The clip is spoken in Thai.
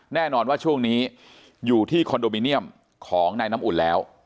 แน่นอนว่าช่วงนี้อยู่ที่คอนโดมิเนียมของนายน้ำอุ่นแล้ว